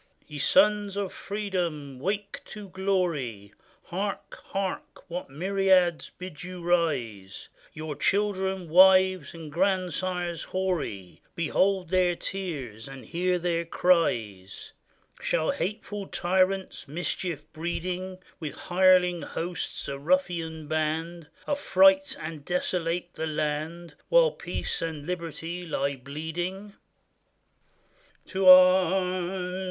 ] Ye sons of freedom, wake to glory! Hark ! hark ! what myriads bid you rise ! Your children, wives, and grandsires hoary. Behold their tears and hear their cries! Shall hateful tyrants, mischief breeding, With hireling hosts, a ruffian band, Affright and desolate the land, While peace and liberty lie bleeding? To arms